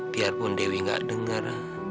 biarpun dewi enggak dengar